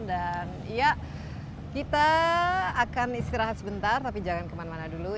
dan ya kita akan istirahat sebentar tapi jangan kemana mana dulu